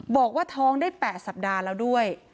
บอกว่าท้องได้๘สัปดาห์แล้วด้วย